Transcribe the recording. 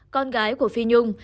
con gái của phi nhung